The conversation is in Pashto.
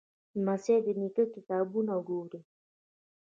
لمسی د نیکه کتابونه ګوري.